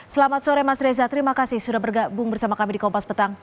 selamat sore mas reza terima kasih sudah bergabung bersama kami di kompas petang